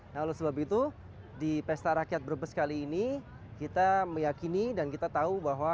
nah oleh sebab itu di pesta rakyat brebes kali ini kita meyakini dan kita tahu bahwa